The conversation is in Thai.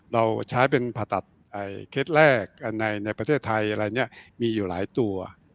เราใช้เป็นผ่าตัดเคสแรกในประเทศไทยอะไรเนี่ยมีอยู่หลายตัว